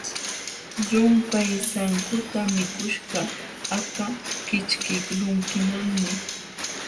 Llumpay sankuta mikuśhqa aka kićhkiqlunkimanmi.